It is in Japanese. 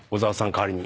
代わりに。